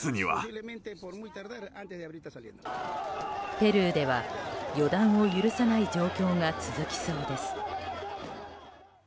ペルーでは、予断を許さない状況が続きそうです。